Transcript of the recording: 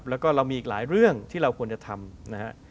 แล้วก็เรามีอีกหลายเรื่องที่เราควรจะทำนะฮะ